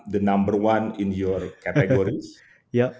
dan anda merasa menjadi nomor satu di kategori anda